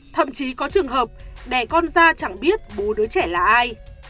thậm chí có trường hợp đẻ con ra chẳng biết bố đứa trẻ là ai